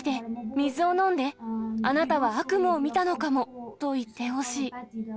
水を飲んで、あなたは悪夢を見たのかもと言ってほしい。